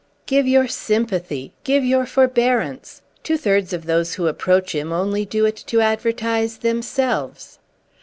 "Give your sympathy—give your forbearance. Two thirds of those who approach him only do it to advertise themselves."